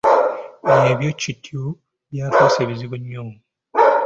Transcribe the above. Ebya Kityo by’afuuse bizibu nnyo.